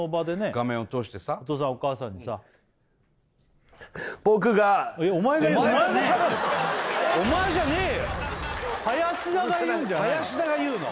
画面を通してさお父さんお母さんにさ林田が言うんじゃないの？